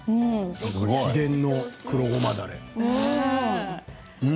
秘伝の黒ごまだれ。